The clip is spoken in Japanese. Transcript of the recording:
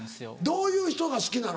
どういう人が好きなの？